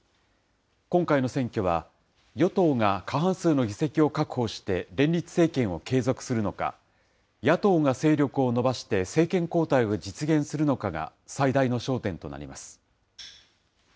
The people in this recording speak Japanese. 今回の選挙は、与党が過半数の議席を確保して連立政権を継続するのか、野党が勢力を伸ばして政権交代を実現するのかが最大の焦点となります。